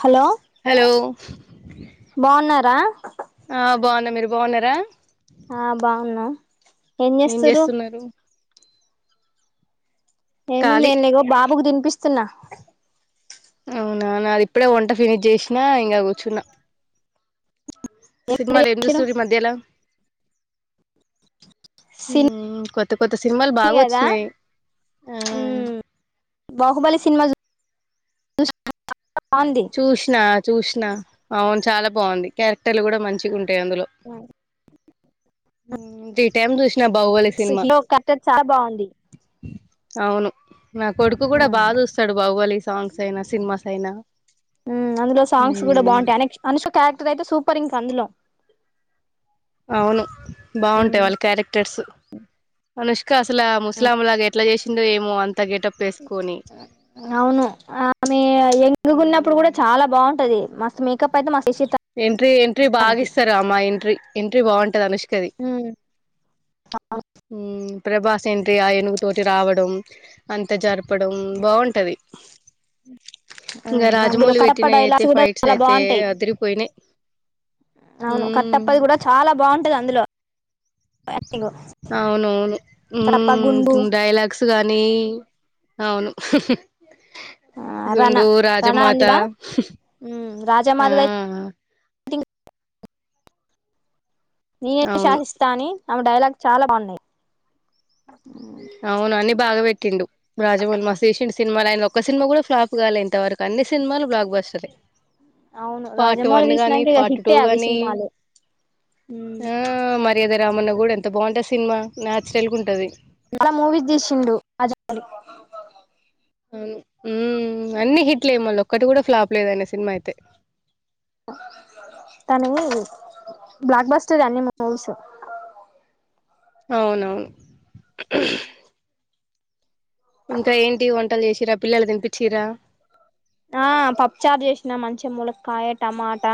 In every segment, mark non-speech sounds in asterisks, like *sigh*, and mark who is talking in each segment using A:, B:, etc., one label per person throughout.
A: hello
B: hello
A: బాగున్నారా
B: ఆ బాగున్నా మీరు బాగున్నారా
A: ఆ బాగున్నా
B: ఏం చేస్తున్నారు
A: ఏముంది
B: ఖాళీ
A: నే నీగో బాబుకు తినిపిస్తున్నా
B: అవునా నాది ఇప్పుడే వంట ఫినిష్ చేసినా ఇంకా కూర్చున్నా సినిమాల ఎం చుస్తుూరు ఈ మధ్యలో
A: సినీ
B: కొత్త కొత్త సినిమాలు బాగా
A: కదా
B: వచ్చినయి హ్మ్
A: బాహుబలి సినిమా బాగుంది
B: చూసినా చూసినా అవును చాలా బాగుంది క్యారెక్టర్లు కూడా మంచిగా ఉంటా అందులో హ్మ్ త్రీ టైం చూస్
A: బస్ హీరో కట్టర్ చాలా బాగుంది
B: అవును నా కొడుకు కూడా బాగా చూస్తాడు బాహువలి సాంగ్స్ అయినా సినిమాస్ అయినా
A: అందులో సాంగ్స్ కూడా
B: ఉమ్
A: బాగుంటాయి అ అనుష్ క్యారెక్టర్ అయితే సూపర్ ఇంకా అందులో
B: అవును బాగుంటాయి వాళ్ళ క్యారెక్టర్స్ అనుష్ కా అసలా ముస్లాం లాగా ఎట్లా చేసిండో ఏమో అంత గెటప్ వేసుకొని
A: అవును ఆమె ఎంగగున్నప్పుడు కూడా చాలా బాగుంటది మస్తు మేకప్ అయితే మ
B: ఎంట్రీ ఎంట్రీ బాగా ఇస్తారు అమ్మా ఎంట్రీ ఎంట్రీ బాగుంటది అనుష్కది
A: ఆ
B: ప్రభాస్ ఏంట్రి ఆ ఎనుగు తటి రావడం అంత జరపడం బాగుంటది ఇంకా
A: అందులో
B: రాజమౌళి పెట్టిన
A: కడప
B: అయితే
A: డైలాగ్స్ కూడా
B: ఫైట్స్
A: చాలా
B: అయితే
A: బాగుంటాయి
B: అదిరిపోయినాయి
A: అవును కట్టప్పది కూడా చాలా బాగుంటది అందులో యాక్టింగు
B: అవునవును హ్మ్ డైలాగ్స్ గానీ అవును గు
A: రణ
B: గుండూ రాజమాత
A: రాజా
B: ఆ
A: మాధగాయి నేనే
B: అవును
A: శాసిస్తా అని ఆమె డైలాగ్ చాలా బాగున్నాయి
B: రెండు రాజమౌల్ మాస్షియన్ సినిమాలు ఆయన ఒక సినిమా కూడా ఫ్లాపు గాలేదు ఇంతవరకు అన్ని సినిమాలు బ్లాక్ బస్టర్ ఏ
A: అవును రాజమౌహి తీశినంనికి ఇక
B: టూ
A: హిట్టే అవి
B: గాని
A: సినిమాలు
B: ఆ
A: మ్మ్
B: మర్యాద రామన్న కూడా ఎంత బాగుంటు సినిమా న్యచురల్ గా ఉంటుది
A: చాల మూవీస్ తీసిండు రాజమౌళి
B: హ్మ్ అన్ని హిట్ లే మళ్ళీ ఒక్కటి కూడా ఫ్లాప్ లేదన్న సినిమా అయితే
A: తన బ్లాక్ బాస్టరీ అన్ని మూవీస్
B: అవునవును ఇంకా ఏంటి వంటలు చేసిరా పిల్లలు తినిపించి రా
A: ఆ పప్పుచార్ చేసిన మంచిగా మూలక్కయ టమాటా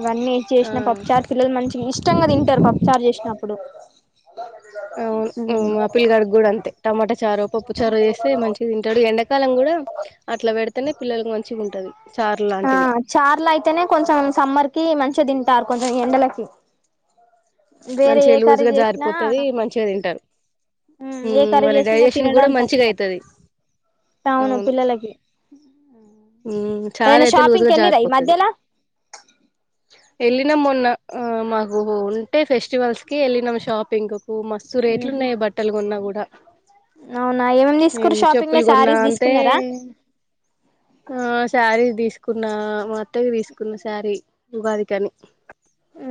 A: అవన్నీ
B: ఆ
A: చేసిన పప్పుచార్ పిల్లలు మంచి ఇష్టంగా తింటారు పప్పుచార్ చేసినప్పుడు
B: అవు ఆపిల్ గడ్ గూడ అంతే టమాటా చా పప్పు చరూ చేస్తే మ తంటాడు ఎకాలం కూడా అట్లా పె పిల్లలకి మంచిగా ఉంటది లాంటివి
A: చార్ల అయితేనే కొంచెం సమ్మర్ కి మంచిగా తింటారు కొంచెం ఎండలకి బేర
B: మంచిగా
A: ఏ
B: లూజ్
A: కర్రీ
B: గా
A: చేసిన
B: జారిపోతది మంచిగా తింటారు
A: ఏ
B: ఉమ్
A: కార
B: వాళ్ళ
A: చేసిన
B: డైజెషన్ కూడా
A: తినడం
B: మంచిగా
A: తక్కువ
B: అయితది
A: అవును పిల్లలకి
B: హ్మ్ చాలా
A: ఏదైనా
B: అయితే లూస్
A: షాపింగ్కి
B: గా
A: వెళ్ళిరా ఈ
B: జారిపోతది
A: మధ్యలా
B: వెళ్ళినా మొన్న మాకు ఉంటే ఫెస్టివల్స్ కి వెళ్ళినాం షాపింగ్ మస్తు రేట్లు
A: ఉహు
B: ఉన్నాయి బట్టలు కొన్నా కూడా
A: అవునా ఏమేమి తీసుకురు
B: ఏం
A: షాపింగ్ లో
B: చెప్పులు కొన్నా
A: శారీస్
B: అంటే
A: తీసుకున్నారా
B: ఆ సారి తీస్ కున్న మా అత్త కి తీసుకున్న శారీ ఉగాది కానీ
A: ఉ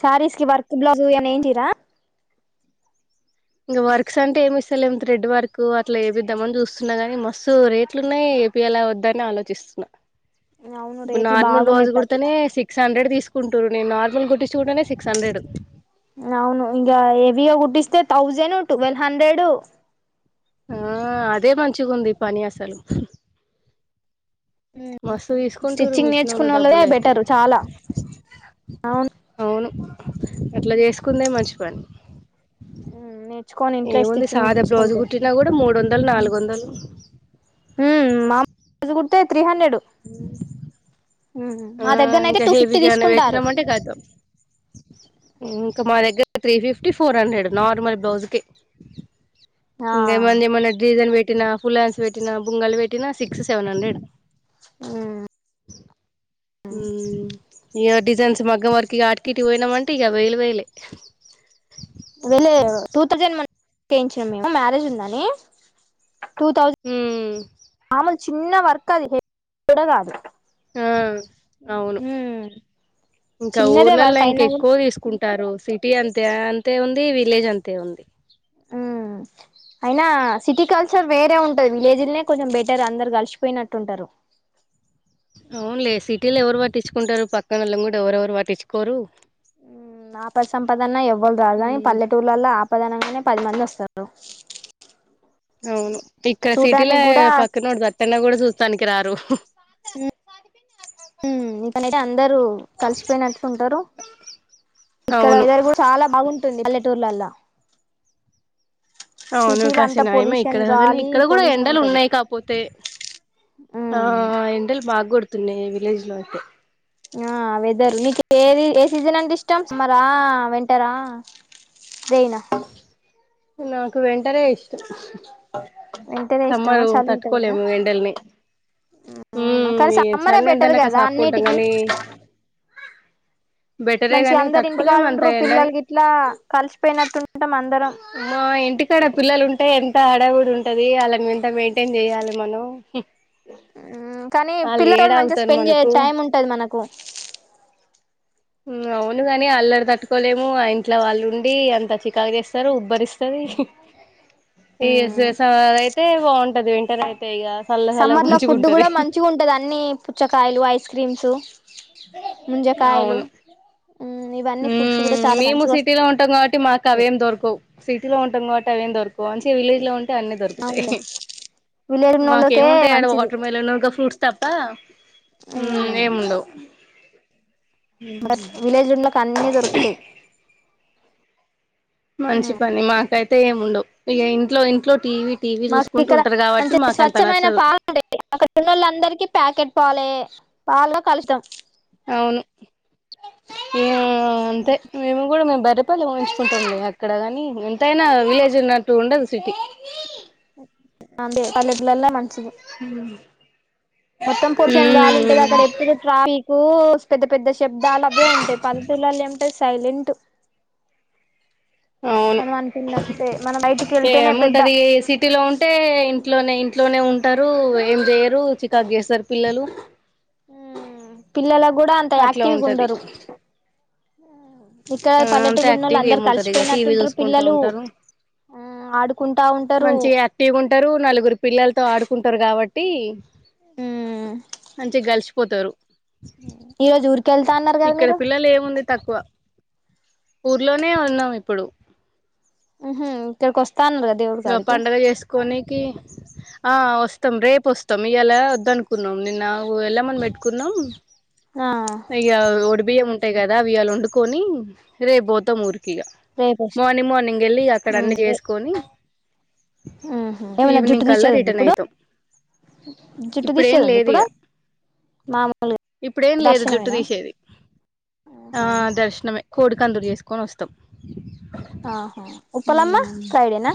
A: సారీస్కి వర్క్ బ్లౌస్ ఏన్ మన్నా ఎంచిన్ర్ర్
B: ఇంకా వర్క్స్ అంటే ఏమి ఇస్తలే ఏం థ్రెడ్ వర్క్ అట్లా ఏమిద్దామని చూస్తున్నా గాని మస్స్తు రేట్లు ఉన్నాయి ఏపి ఎలా వద్దని ఆలోచిస్తున్నా
A: అవును
B: ఇప్పుడు
A: రేట్లు
B: నార్మల్ బ్లౌజ్
A: బాగున్నాయి ప్రతి
B: కుడితేనే
A: దానికి
B: సిక్స్ హండ్రెడ్ తీసుకుంటారు నేను నార్ల్ మల్ని గుట్ంచుకుంటనే సిక్స్ హండ్రెడ్
A: అవును ఇగ హెవీగా కుుటిస్తే థౌజన్ ట్వెల్వ్ హండ్రెడు
B: ఆ అదే మంచిగా ఉంది పని అసలు మస్తు తీసుకుంటూరు
A: స్టిచ్చింగ్
B: మిషన్ ఒళ్ళు
A: నేర్చుకున్న వాళ్ళదే
B: డబ్బులుయితే
A: బెటర్ చాలా అవును
B: అవును అట్లా చేసుకుందే మంచి పని
A: నేర్చుకొని ఇంట్లో
B: ఏముంది
A: స్టిచ్చింగ్
B: సాదా బ్రౌజ్
A: కుట్టించుకుంటే
B: కుట్టినా కూడా మూడు వందలు నాలుగు వందలు
A: ఉ మమ్ములు కుడితే త్రీ హండ్రెడ్
B: ఆ
A: మా దగ్గరనయితే
B: ఇంకా
A: టూ ఫిఫ్టీ
B: హేవగా అన
A: తీసుకుంటారు
B: పెట్టినామంటే కాదు ఇంకా మా దగ్గర three fifty four hundred normal blouse కే
A: ఆ
B: ఇంగ ఏమన్నా డీజన్ పెట్టినా ఫులాన్స్ బేట్టి బంగల్ వేటి టీనా సస్ సెవెన్ హండ్రెడ్ ఉమ్ ఇ డిజైన్స్ మగ్గం వరకు ఇ అటికిటికి పోయినాంమంటే ఇక వేలు వేలే
A: వెళ్ళ టూ థౌజండ్ మయించినం మేము మ్యారేజ్ ఉందాని టూ థౌజండ్
B: ఉమ్
A: మామలు చిన్న వర్క్ అది హెవీ కూడా కాదు
B: ఆ అవును
A: ఉమ్
B: ఇంకా
A: చిన్నదే
B: ఊర్లల్లో
A: వర్క్
B: ఇంక
A: అయినా కూడా
B: ఎక్కువ తీసుకుంటారు సిటీ అంతా ద్య అంతే ఉంది విలేజ్ అంతే ఉంది
A: ఉమ్ అయినా సిటీ కల్చర్ వేరే ఉంటది విలేజ్లనే కొంచెం బెటర్ అందరు కలిసిపోయినట్టుంటారు
B: అవునులే సిటీలో ఎవరు పాటించుకుంటారు పక్కనల్ళం కూడా ఎవరుెవరు పాటించుకోరు
A: హ్మ్ ఆపద సంపాదన ఎవ్వరు రాదు కానీ
B: ఉమ్
A: పల్లెటూర్లలో ఆపదనంగానే పది మంది వస్తారు
B: అవును ఇక్కడ సిటీల
A: చూడ్డానికి కూడా
B: పక్క నోడదు సత్తెన్న కూడా చూస్తానికి రారు
A: ఉమ్ ఇక్కడ నైతే అందరుూ కలిసిపోయినట్టుకుంటారు
B: అవును
A: ఇక్కడరు కూడా చాలా బాగుంటుంది పటూర్లా
B: అవును
A: అంతా
B: కాశినయమా ఇక్కడ
A: పొల్యూషన్
B: కానీ
A: గాలి
B: ఇక్కడ కూడా
A: పొల్యూషన్
B: ఎండలు
A: ఉంటది
B: ఉన్నాయి కాపోతే ఆ ఎండలు బాగు కొడుతున్నాయి విలేజ్ లో అయితే
A: ఆ వెదరు మీకు ఏది ఏ సీజన్ అంటే ఇష్టం సమరా వెంటరా రయినా
B: నాకు వింటర్ రే ఇష్టం
A: వింటరే ఇష్టమా
B: సమ్మరు
A: చలి ఉంటదనా
B: తట్టుకోలేము ఎండల్ని ఉ
A: అవునా కానీ సమ్మరే
B: చన్న
A: బెటర్
B: ఎంటన్నా కస
A: కదా
B: ఆపుకుంటాం
A: అన్నిటికి
B: కానీ
A: మంచి అందరు
B: తట్టుకోలేము అంత
A: ఇంటికాళండ్రరు
B: ఎండని
A: పిల్లలకి ఇట్లా కలిసిపోయినట్టు
B: మా ఇంటికాడ పిల్లలు ఉంటేయి ఎంత హడవుడి ఉంటది వాళ్ని అంత మెయింటైన్ చేయాలి మనం
A: కానీ
B: వాళ్ళు
A: పిల్లలతో మంచిగా
B: ఏడాగుతారు
A: స్పెండ్ చేయ
B: మనకు
A: టైం ఉంటది మనకు
B: హ్మ్ అవునుగాని అల్ర్ తట్టు తీసుకోలేము ఆ ఇంట్లో వాళ్ళు ఉండి అంత చికాకు చేస్తారు ఉబ్బరిస్తుంది ఈ అయితే బాగుంటది వింటర్ అయితే ఇక చల్ల చల్లగా
A: సమ్మర్ లో ఫుడ్ కూడా
B: మంచిగుంటది
A: మంచిగా ఉంటది అన్నిీ పుచ్చకాయలు ఐస్ క్రీమ్స్ ముంజ కాయలు
B: ఉ మేము సిటీలో ఉంటాం కాబట్టి మాకు
A: వస్తాయి
B: అవేం దొరకు సిటీలో ఉంటాం కాబట్టి అవేం దొరకు వంచి విలేజ్ లో ఉంటే అన్ని దొరుకుతాయి
A: అవునులే విలేజ్ ఉన్నోళ్ళకే
B: మాకేముంటాయి ఆడ
A: మంచిది
B: వాటర్ మెలన్ ఇకా ఫ్రూట్స్ తప్ప ఏముండవు *inaudible*
A: బట్ విలేజ్లో ఉన్న వాళ్ళకి అన్నీ దొరుకుతాయి
B: మంచి పని మాకైతే ఏముండవు ఇగా ఇంట్లో ఇంట్లో టీవీ టీవీ
A: మాకు
B: చూసుకుంటూ
A: ఇక్కడ
B: ఉంటారు కాబట్టి
A: మంచి
B: మాకు అంత
A: స్వచ్ఛమైన
B: నచ్చదు
A: పాలు ఉంటాయి అక్కడ ఉన్నోళ్లకి అందరికి ప్యాకెట్ పాలే పాల్లో కలుషితం
B: అవును అంతే మేము కూడా మే బ బర్రె పాలే తెచ్చుకుంటాం అక్కడగాని ఎంతైనా విలేజ్ లో ఉన్నట్టు ఉండదు సిటీ
A: అదే పల్లెటూర్లల మంచిది మొత్తం పొల్యూషన్ గాలి ఉంటది
B: హ్మ్
A: అక్కడ ఎప్పుడు ట్రాఫిక్ పెద్ద పెద్ద శబ్దాలు అవే ఉంటాయి పల్లెటూర్లల్ల ఏముంటాయి సైలెంట్
B: *inaudible* అవును
A: మనం అనుకున్నప్పుడే మనం బయటికి వెళ్తేనే పెద్ద
B: ఏముంటది సిటీలో ఉంటే ఇంట్లోనే ఇంట్లోనే ఉం టారు ఏం చేయరు చికాకు చేస్తారు పిల్లలు
A: పిల్లలకు కూడా అంత
B: అట్లా
A: యాక్టివ్ గా
B: ఉంటది
A: ఉండరు ఇక్కడ
B: ఆ అంత
A: పల్లెటూర్ల ఉన్నోళ్లు
B: యాక్టివ్గా
A: అందరూ కలిసి
B: ఏముంటారు ఇక
A: పోయినట్టు
B: టీవీ
A: ఉంటారు
B: చూసుకుంటా
A: పిల్లలు
B: ఉంటారు
A: ఆడుకుంటా ఉంటారు
B: మంచిగా యాక్టివ్గా ఉంటారు నలుగురు పిల్లలతో ఆడుకుంటారు కాబట్టి మంచిగా గలిచిపోతారు
A: ఈ రోజు ఊరికెళ్తా అన్నారు కదా
B: ఇక్కడ
A: మీరు
B: పిల్లలు ఏముంది తక్కువ ఊర్లోనే ఉన్నాం ఇప్పుడు
A: ఉహు ఇక్కడికి వస్
B: గా పండగ చేసుకోనికి ఆ వస్తాం రేపు వస్తాం ఇయ్యాల వద్దు అనుకున్నాం నిన్న ఎల్లమ్మను పెట్టుకున్నాం
A: ఆ
B: ఇగా ఒడి బియ్యం ఉంటాయి కదా అయ్యి ఇవ్వాలా వండుకొని రేపు పోతాం ఊరి ఇగా
A: రేపు
B: మార్నింగ్ మార్నింగ్ వెళ్ళి అక్కడ అన్ని
A: రే
B: చేసుకొని
A: ఉహు ఏమన్నా జుట్టు
B: ఈవినింగ్ కల్లా
A: తీసేది ఉందా
B: రిటర్న్
A: ఇప్పుడు
B: అయితాం
A: జుట్టు
B: ఇప్పుడేం
A: తీసేది ఉందా
B: లేదు
A: ఇప్పుడు
B: ఇగ
A: మామూలుగా
B: ఇప్పుడేం లేదు జుట్టు
A: దర్శనమేనా
B: తీసేది ఆ
A: ఆహా
B: దర్శనమే కోడి కందూరు చేసుకుని వస్తాం
A: ఆహా ఉప్పలమ్మ ఫ్రైడేనా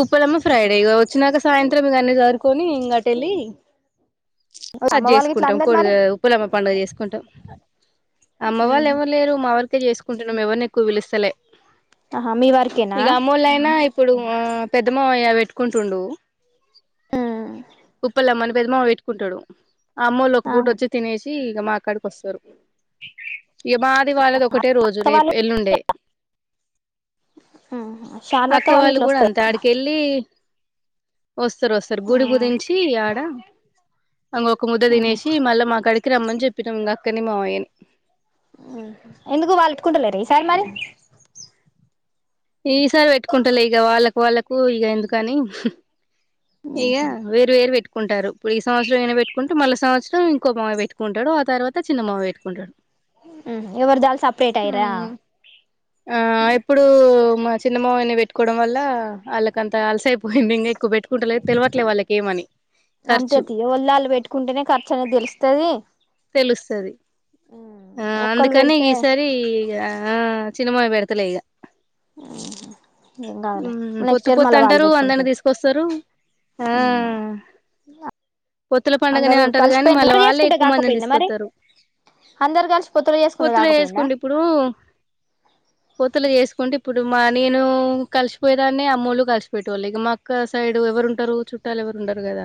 B: ఉప్పలమ్మ ఫ్రైడే ఇగా వచ్చినాక సాయంత్రం ఇగ అన్ని సదురుకొని ఇంగా అటు ఎళ్లి అది
A: అమ్మ వాళ్ళకి ఇట్లా
B: చేసుకుంటాం
A: అందరు మరి
B: కొడిగా ఉప్పలమ్మ పండుగ చేసుకుంటాం అమ్మ వాళ్ళు
A: ఉహు
B: ఎవరు లేరు మా వరకే చేసుకుంటున్నాం ఎవరిని ఎక్కువ పిలుస్తలే
A: ఆహా మీ వరకేనా
B: ఇక అమ్మోళ్ళయినా ఇప్పుడు పెద్దమామయ్య పెట్టుకుంటుండు ఉప్పలమ్మనీ పెద్ద మామ పెట్టుకుంటాడు అమ్మ ఒళ్ళు ఒక
A: ఆహా
B: పూట వచ్చి తినేసి ఇగ మా కాడికి వస్తారు ఇగా మాది వాళ్ళది ఒకటే రోజు
A: అక్క
B: రేపు
A: వాళ్ళు
B: ఎల్లుండే
A: ఉహు శారద
B: అక్క వాళ్ళు
A: ఇట్లా
B: కూడా అంతే
A: వస్తారా
B: ఆడికి వెళ్ళి వస్తారు వస్తారు గుడి పూదించి ఆడా ఇంగ ఒక ముద్ద
A: ఉహు
B: తినేసి మళ్ళా మాకాడికి రమ్మని చెప్పినాం ఇంగా అక్కని మామయ్యని
A: ఎందుకు వాళ్ళు పెట్టుకుంటలేరా ఈసారి మరి
B: ఈసారి పెట్టుకుంటలే ఇగా వాళ్ళకు వాళ్ళకు ఇగా ఎందుకని ఇగా
A: ఉహు
B: వేరు వేరు పెట్ ఉంటారు ఇప్పుడు ఈ సంవత్సరం ఈయన పెట్టుకుంటె మళ్ళ సంవత్సరం ఇంకో మామయ్య పెట్టుకుంటాడు ఆ తర్వాత చిన్న మామయ్య పెట్టుకుంటాడు
A: ఎవరిది వాళ్ళు సపరేట్ అయ్యిరా
B: ఆ ఇప్పుడు మా చిన్నమామయ్యని పెట్టుకోవడం వల్ల వాళ్ళకంత అలసయిపోయింది ఇం క్ పెట్టుకుంటలే తెలివట్లే వాళ్ళకు ఏమని
A: అంతే
B: ఖర్చు
A: తి ఎవలిది వాళ్ళు పెట్టుకుంటేనే ఖర్చు అనేది తెలుస్తది
B: తెలుస్తది ఆ
A: ఒక్కళ్ళు
B: అందుకనే
A: పెడితే
B: ఈసారి ఇగ ఆ చిన్న మామయ్య వెడుతలే ఇగా
A: ఏం కాదులే
B: ఉ
A: నెక్స్ట్
B: పొత్తు
A: ఇయర్
B: పొత్తు
A: మళ్ళీ వాళ్ళు
B: అంటారు అందరిని
A: పెట్టుకుంటారు
B: తీసుకొస్తారు ఆ పొత్తుల పండుగనే
A: అందరు
B: అంటారు గానీ
A: కలిసిపోయిన
B: మళ్ళీ
A: పొత్తులు
B: వాళ్ళే
A: చేసుకుంటే
B: ఎక్కువ మ మందిని
A: కాకపోయిందా మరి
B: తీసుకతారు
A: అందరు కలిసి పొత్తులు చేసుకుంటే
B: పొత్తుల
A: కాకపోయిందా
B: చేసుకుంటే ఇప్పుడు పోత్తుల చే సుకుంటే ఇప్పుడు మా నేను కలిసిపోయదాన్ని అమ్మోళ్లు కలిసిపోయే వాళ్ళు ఇక మా అక్క సైడ్ ఎవరు ఉంటారు చుట్టాలు ఎవరు ఉండరు కదా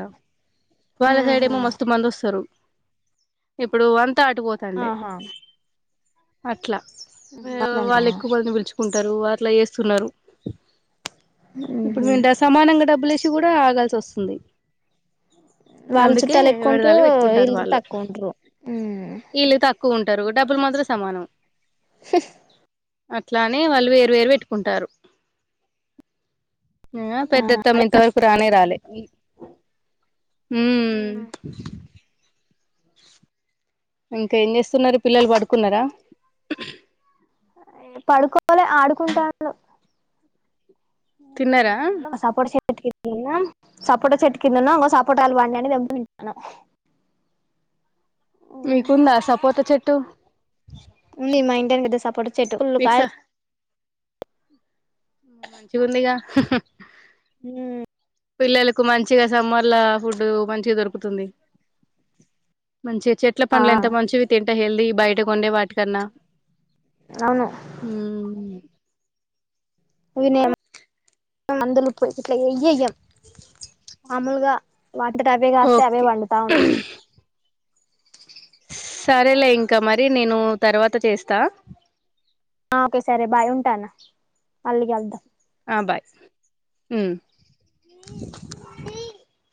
B: వాళ్ళ సైడ్ ఏమో మస్తు మంది వస్తారు ఇప్పుడు అంతా అటుపోతండే
A: ఆహా
B: అట్లా
A: అట్లనా
B: వాళ్ళు ఎక్కువ మందిని పిలుచుకుంటారు వా అట్లా చేస్తున్నారు
A: ఉహు
B: ఇప్పుడు డా సమానంగా డబ్బులు వేసి కూ డా ఆగాల్సి వస్తుంది
A: వాళ్ళ
B: అందుకే
A: చుట్టాలు ఎక్కువ ఉంటే
B: విడదాలు పెట్టుకుంటారు
A: వీల్
B: వాళ్ళు
A: తక్కువ ఉంటారు ఉ
B: ఎక్కువ ఉంటారు డబ్బులు మాత్రం సమానం అట్లానే వాళ్ళు వేరు వేరు పెట్టుకుంటారు నిన్నా పెద్దఅత్తమ్మ ఇంతవరకు రానే రాలే ఉ ఇంకా ఏం చేస్తున్నారు పిల్లలు పడుకున్నారా
A: ఏ పడుకోలే ఆడుకుంటాళ్లు
B: తిన్నారా
A: ఆ సపోటా చెట్టు ఎక్కి ఇన సపోట చెట్టు కింద ఉన్నాం ఇంగో సపోటాలు పండిన అన్ని తెంపుకొని తింటానం
B: టు
A: ఉంది మా ఇంటి వెనుక పెద్ద సపోటా చెట్టు ఫుల్ కాయలు
B: మంచి ఉందిగా
A: నా
B: పిల్లలకు మంచిగా సమ్మర్ లా ఫుడ్ మంచిగా దొరుకుతుంది మంచిగా చెట్ల
A: ఆ
B: పండ్లు ఎంత మంచివి తింటే హెల్దీ బయటకు ఉండే వాటికన్నా
A: అవును
B: ఉహు
A: పోయినయ మందులు పోయి ఇట్లా ఏయ్ ఏయ్యాము మాములుగా వాటంతట అవే కాస్తాయి అవే
B: ఓకే
A: వండుతా ఉంటాయి
B: సరేలే ఇంకా మరి నేను తర్వాత చేస్తా
A: ఆ ఓకే సరే బాయ్ ఉంటనా మళ్ళీ కలుదాం
B: ఆ బాయ్ ఉ